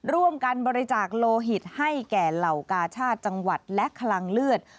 ร่วมกันบริจาคโลหิตให้แก่เหล่ากาชาติจังหวัดและคลังเลือด